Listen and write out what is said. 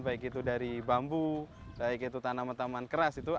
baik itu dari bambu baik itu tanaman taman keras itu